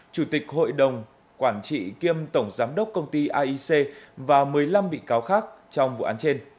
chủ tịch hội đồng quản trị kiêm tổng giám đốc công ty aic và một mươi năm bị cáo khác trong vụ án trên